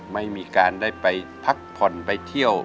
ไม่มีการได้ไปพักผ่อนไปเที่ยว